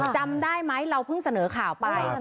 จำได้ไหมเราเพิ่งเสนอข่าวไป